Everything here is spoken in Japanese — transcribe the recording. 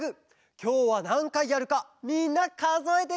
きょうはなんかいやるかみんなかぞえてみてね！